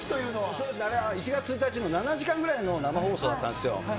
そうですね、１月１日の、７時間ぐらいの生放送だったんですよ。